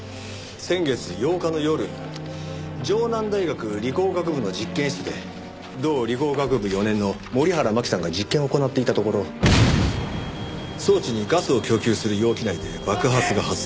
先月８日の夜城南大学理工学部の実験室で同理工学部４年の森原真希さんが実験を行っていたところ装置にガスを供給する容器内で爆発が発生。